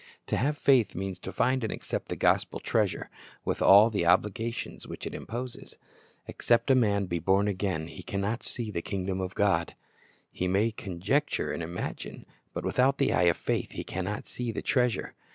To have faith means to find and accept the gospel treasure, with all the obligations which it imposes. "Except a man be born again, he can not see the kingdom of God."^ He may conjecture and imagine, but without the eye of faith he can not see the treasure.